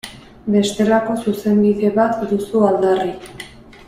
Bestelako Zuzenbide bat duzu aldarri.